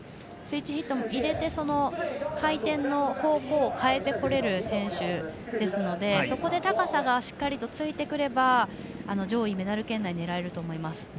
スイッチヒットも入れて回転の方向を変えてこれる選手ですのでそこで高さがしっかりとついてくれば上位、メダル圏内を狙えると思います。